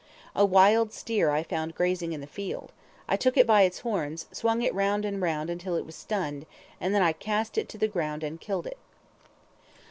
A wild steer I found grazing in the field. I took it by its horns, swung it round and round until it was stunned, and then I cast it to the ground and killed it."